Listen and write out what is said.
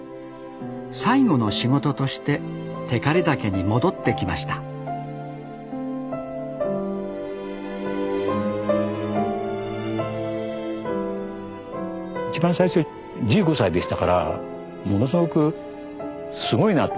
最後の仕事として光岳に戻ってきました一番最初１５歳でしたからものすごくすごいなあと思って。